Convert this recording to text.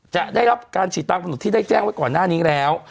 จะได้รับการฉีดตามกำหนดที่ได้แจ้งไว้ก่อนหน้านี้แล้ว